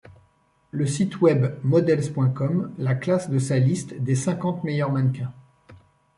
Le site web models.com la classe de sa liste des cinquante meilleures mannequins.